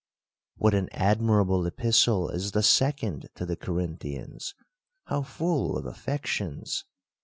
What an admirable epistle is the second to the Corinthians! How full of affections